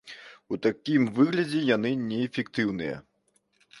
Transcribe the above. У такім выглядзе яны неэфектыўныя.